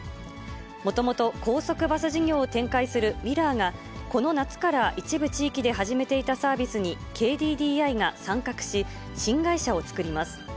もともと、高速バス事業を展開するウィラーが、この夏から一部地域で始めていたサービスにＫＤＤＩが参画し、新会社を作ります。